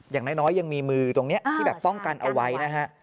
อย่างน้อยยังมีมือตรงนี้ที่แบบป้องกันเอาไว้นะฮะ